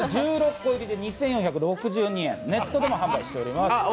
１６個入りで２４６２円、ネットでも販売しております。